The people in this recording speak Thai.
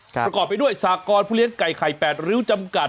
ประกอบไปด้วยสากรผู้เลี้ยงไก่ไข่๘ริ้วจำกัด